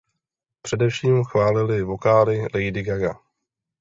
Především chválili vokály Lady Gaga.